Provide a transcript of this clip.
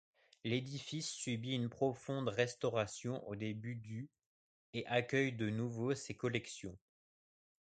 L’édifice subit une profonde restauration au début du et accueille de nouveau ses collections.